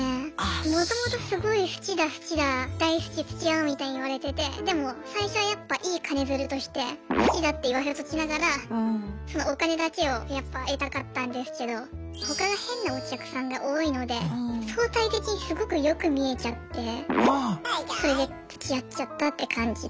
もともとすごい好きだ好きだ大好きつきあおうみたいに言われててでも最初はやっぱいい金づるとして好きだって言わせときながらお金だけを得たかったんですけど他が変なお客さんが多いので相対的にすごくよく見えちゃってそれでつきあっちゃったって感じで。